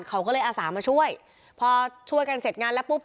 เขาก็เลยอาสามาช่วยพอช่วยกันเสร็จงานแล้วปุ๊บ